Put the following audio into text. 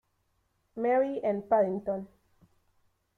Mary en Paddington.